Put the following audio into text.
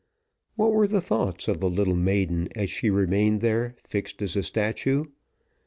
What were the thoughts of the little maiden as she remained there fixed as a statue?